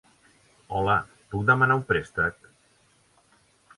Hola, puc demanar un prestec¿.